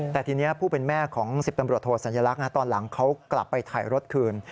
แต่ทีนี้ผู้เป็นแม่ของ๑๐ตำรวจโทสัญลักษณ์ตอนหลังเขากลับไปถ่ายรถคืน